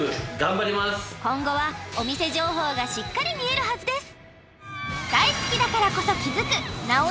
今後はお店情報がしっかり見えるはずです